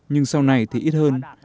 nhưng sau này thì ít hơn